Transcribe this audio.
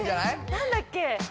何だっけ？